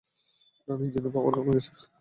ডান ইঞ্জিনের পাওয়ার কমে যাচ্ছে!